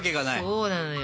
そうなのよ。